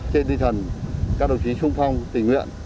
trên tinh thần các đồng chí sung phong tình nguyện